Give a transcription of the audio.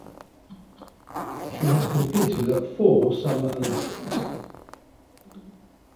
She has competed at four Summer Olympics.